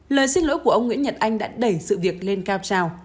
lời xin lỗi của ông nguyễn nhật anh đã đẩy sự việc lên cao trào